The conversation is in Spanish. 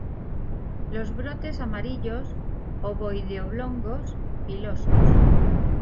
Los brotes amarillos, ovoide-oblongos, pilosos.